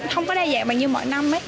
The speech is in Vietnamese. không có đa dạng bằng như mọi năm